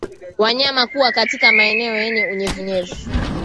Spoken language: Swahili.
Wanyama kuwa katika maeneo yenye unyevunyevu